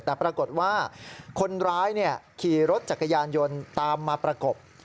แต่ปรากฏว่าคนร้ายขี่รถจักรยานยนต์ตามมาประกบ